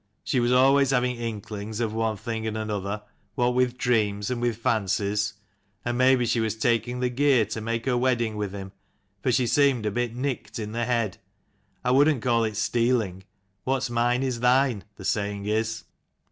She was always having inklings of one thing and another, what with dreams, what with fancies. And maybe she was taking the gear to make her wedding with him, for she seemed a bit nicked in the head. I would'nt call it stealing: what's mine is thine, the saying is."